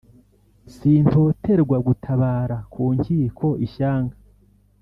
Sintoterwa gutabara ku nkiko ishyanga,